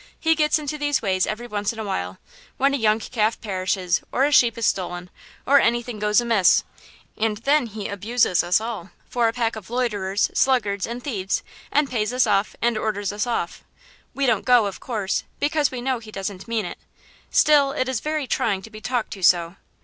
He gets into these ways every once in a while, when a young calf perishes, or a sheep is stolen, or anything goes amiss, and then he abuses us all for a pack of loiterers, sluggards, and thieves, and pays us off and orders us off. We don't go, of course, because we know he doesn't mean it; still, it is very trying to be talked to so.